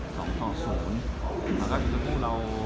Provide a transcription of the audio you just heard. ๒๐แล้วก็ทุกครู่เรา